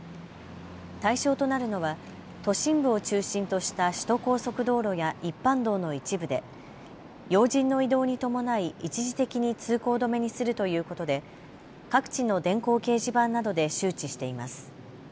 対象となるのは都心部を中心とした首都高速道路や一般道の一部で要人の移動に伴い一時的に通行止めにするということで各地の電光掲示板などで周知しています。